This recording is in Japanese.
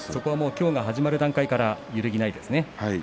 きょうが始まる段階からそこは揺るぎないですね。